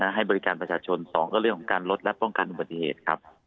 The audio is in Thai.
ให้บริการประชาชน๒ก็เรื่องของการลดและป้องกันอุบัติเหตุครับ